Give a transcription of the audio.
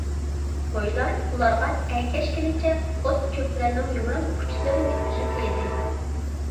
قويلار ئۇلارغا ئەگەشكىنىچە ئوت-چۆپلەرنىڭ يۇمران ئۇچىلىرىنى ئۈزۈپ يېدى.